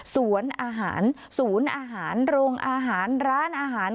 สวนอาหารศูนย์อาหารโรงอาหารร้านอาหาร